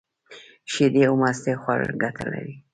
شیدې او مستې خوړل گټه لري.